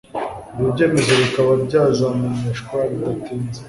ibyo byemezo bikaba byazamenyeshwa bidatinze